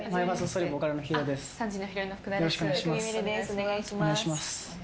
お願いします。